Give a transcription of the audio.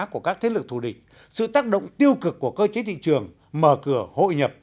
của các thế lực thù địch sự tác động tiêu cực của cơ chế thị trường mở cửa hội nhập